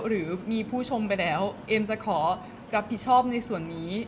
หรือมีผู้ชมไปแล้วเอ็มจะขอรับผิดชอบในส่วนนี้